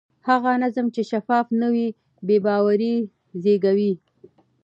هغه نظام چې شفاف نه وي بې باوري زېږوي